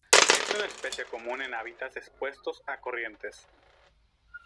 Es una especie común en hábitats expuestos a corrientes.